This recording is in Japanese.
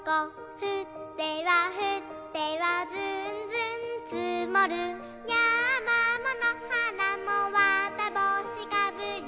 「ふってはふってはずんずんつもる」「やまものはらもわたぼうしかぶり」